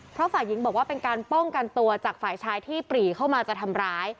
เพราะฝ่ายหญิงบอกว่าเป็นการป้องกันตัวจากฝ่ายชายที่ปรีเข้ามาจะทำร้าย